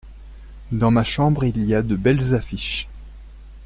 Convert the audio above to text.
Dans ma chambre il y a de belles affiches.